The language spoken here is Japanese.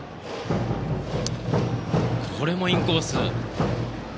これもインコース。